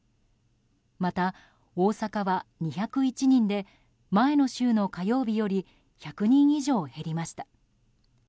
また、大阪は２０１人で前の週の火曜日より１００人以上減りました。